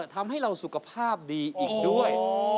ทำให้เราสุขภาพดีอีกด้วย